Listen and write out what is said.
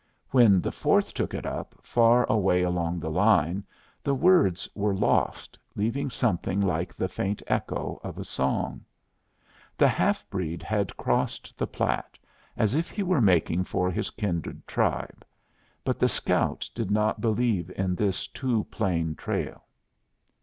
When the fourth took it up, far away along the line, the words were lost, leaving something like the faint echo of a song. The half breed had crossed the Platte, as if he were making for his kindred tribe, but the scout did not believe in this too plain trail.